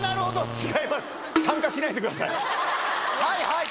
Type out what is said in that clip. はい。